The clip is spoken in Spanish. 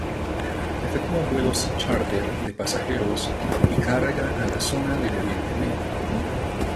Efectúa vuelos chárter de pasajeros y carga a la zona de Oriente Medio.